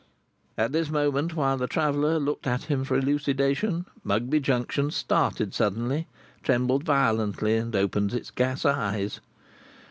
At this moment, while the traveller looked at him for elucidation, Mugby Junction started suddenly, trembled violently, and opened its gas eyes.